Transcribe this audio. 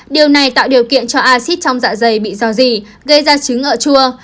điều này tạo điều kiện cho acid trong dạ dày bị rò rỉ gây ra trứng ợ chua